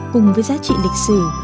cùng với giá trị lịch sử